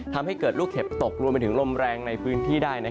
ทำให้เกิดลูกเห็บตกรวมไปถึงลมแรงในพื้นที่ได้